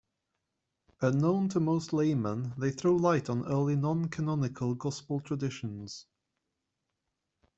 Unknown to most laymen, they throw light on early non-canonical Gospel traditions.